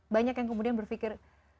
banyak yang kemudian berpikir